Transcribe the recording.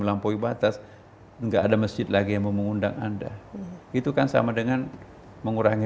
lampu ibatas enggak ada masjid lagi yang mengundang anda itu kan sama dengan mengurangi